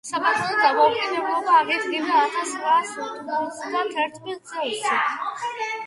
საქართველომ დამოუკიდებლობა აღიდგინა ათას ცხრაას ოთხმოცდა თერთმეტ წელს.